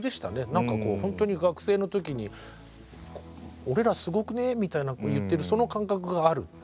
何かこうほんとに学生の時に「俺らすごくね？」みたいな言ってるその感覚があるって。